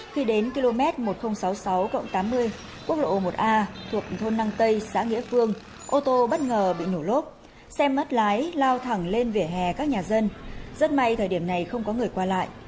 khi đến km một nghìn sáu mươi sáu tám mươi quốc lộ một a thuộc thôn năng tây xã nghĩa phương ô tô bất ngờ bị nổ lốp xe mất lái lao thẳng lên vỉa hè các nhà dân rất may thời điểm này không có người qua lại